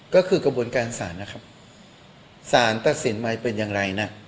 ก็คือกระบวนการศาลนะครับสารตัดสินใหม่เป็นอย่างไรนะ